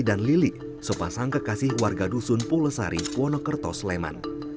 dan lili sopasang kekasih warga dusun pulesari kwonokerto sleman